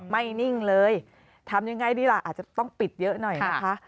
นิ่งเลยทำยังไงดีล่ะอาจจะต้องปิดเยอะหน่อยนะคะ